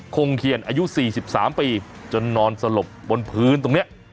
คงเคียนอายุ๔๓ปีจนนอนสลบบนพื้นตรงนี้